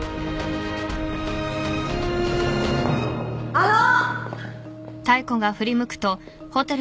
あの！